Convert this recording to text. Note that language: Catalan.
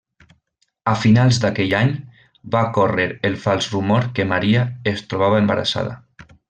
A finals d'aquell any, va córrer el fals rumor que Maria es trobava embarassada.